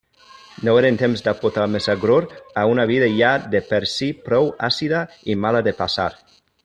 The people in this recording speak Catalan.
No eren temps d'aportar més agror a una vida ja de per si prou àcida i mala de passar.